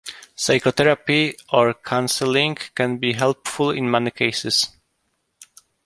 Psychotherapy or counseling can be helpful in many cases.